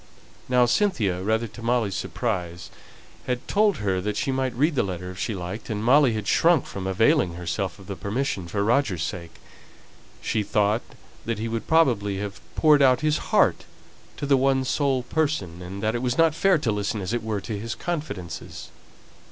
Now Cynthia, rather to Molly's surprise, had told her that she might read the letter if she liked, and Molly had shrunk from availing herself of the permission, for Roger's sake. She thought that he would probably have poured out his heart to the one sole person, and that it was not fair to listen, as it were, to his confidences.